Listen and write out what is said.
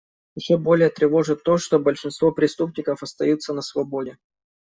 Еще более тревожит то, что большинство преступников остаются на свободе.